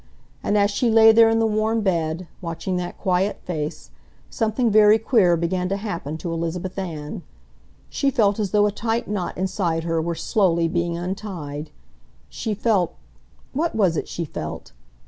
And as she lay there in the warm bed, watching that quiet face, something very queer began to happen to Elizabeth Ann. She felt as though a tight knot inside her were slowly being untied. She felt—what was it she felt?